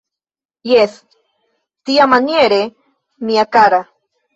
Jes, tiamaniere, mia kara!